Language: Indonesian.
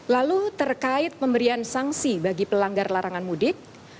lalu terkait pemberian sanksi bagi pelanggar larangan mudik